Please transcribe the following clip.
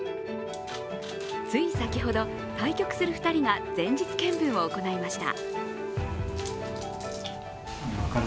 つい先ほど、対局する２人が前日検分を行いました。